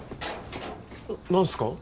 何すか？